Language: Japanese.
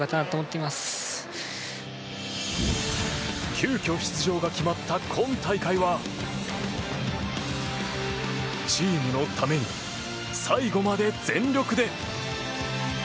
急きょ、出場が決まった今大会はチームのために最後まで全力で！